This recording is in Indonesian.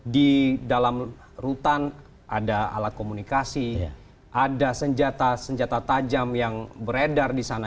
di dalam rutan ada alat komunikasi ada senjata senjata tajam yang beredar di sana